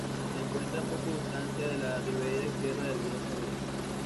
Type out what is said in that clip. Se encuentra a poco distancia de la ribera izquierda del río Saluda.